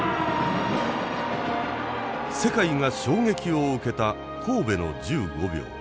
世界が衝撃を受けた神戸の１５秒。